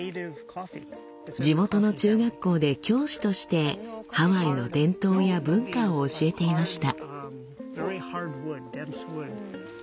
地元の中学校で教師としてハワイの伝統や文化を教えていました。